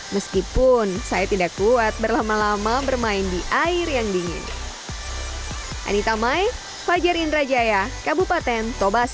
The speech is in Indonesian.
meskipun saya tidak kuat berlama lama bermain di air yang dingin